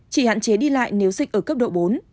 chỉ hạn chế đi lại nếu dịch ở cấp độ bốn